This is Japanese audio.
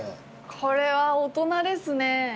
これは大人ですね。